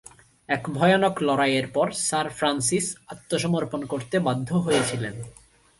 এক ভয়ানক লড়াইয়ের পর স্যার ফ্রান্সিস আত্মসমর্পণ করতে বাধ্য হয়েছিলেন।